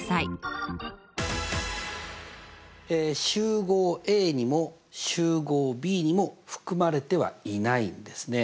集合Ａにも集合Ｂにも含まれてはいないんですね。